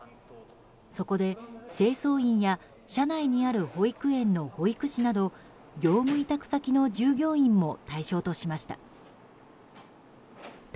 そこで清掃員や社内にある保育園の保育士など業務委託先の従業員も対象としました。